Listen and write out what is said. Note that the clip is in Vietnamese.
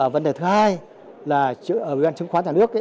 vấn đề thứ hai là ở ủy ban chứng khoán nhà nước